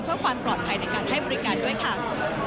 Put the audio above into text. เพื่อความปลอดภัยในการให้บริการด้วยค่ะ